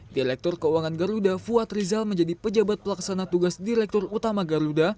direktur keuangan garuda fuad rizal menjadi pejabat pelaksana tugas direktur utama garuda